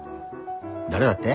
誰だって？